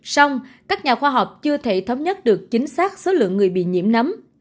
xong các nhà khoa học chưa thể thống nhất được chính xác số lượng người bị nhiễm nấm